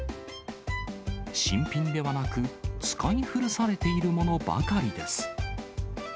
新品ではなく、使い古されているものばかりです。